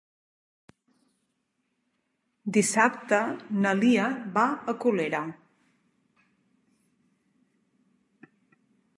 Dissabte na Lia va a Colera.